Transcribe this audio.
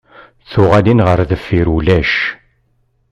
Tuɣalin ɣer deffir ulac!